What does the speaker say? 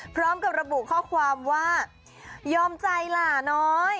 พร้อมกับระบุข้อความว่ายอมใจหล่าน้อย